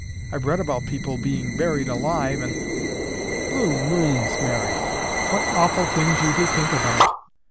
I've read about people being buried alive and—" "Blue Moons, Mary! What awful things you do think about!"